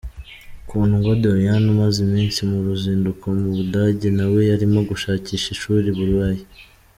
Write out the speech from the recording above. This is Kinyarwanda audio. Kundwa Doriane umaze iminsi mu ruzinduko mu Budage, nawe arimo gushakisha ishuri i Burayi.